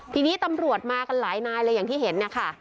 ทีนี้ตำรวจมากันหลายนายเลยอย่างที่เห็นเนี่ยค่ะ